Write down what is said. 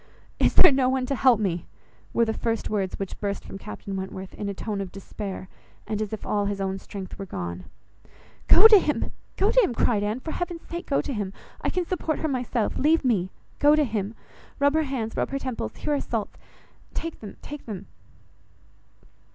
"Is there no one to help me?" were the first words which burst from Captain Wentworth, in a tone of despair, and as if all his own strength were gone. "Go to him, go to him," cried Anne, "for heaven's sake go to him. I can support her myself. Leave me, and go to him. Rub her hands, rub her temples; here are salts; take them, take them."